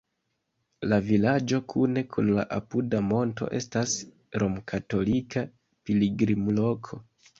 La vilaĝo kune kun la apuda monto estas romkatolika pilgrimloko.